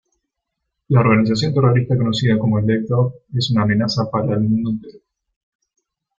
La organización terrorista conocida como "Slave Dog" es una amenaza para el mundo entero.